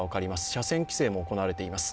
車線規制も行われています。